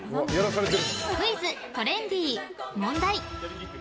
クイズ・トレンディー、問題。